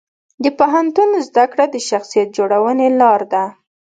د پوهنتون زده کړه د شخصیت جوړونې لار ده.